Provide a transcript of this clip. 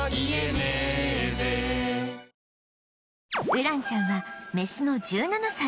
ウランちゃんはメスの１７歳